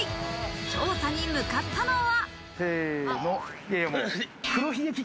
調査に向かったのは。